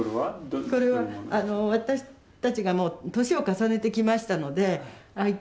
これは私たちがもう年を重ねてきましたのであ